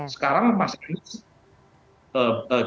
sekarang mas anies